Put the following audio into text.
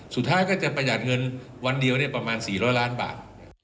สุดท้ายก็จะประหยัดเงินวันเดียวได้ประมาณ๔๐๐ล้านบาท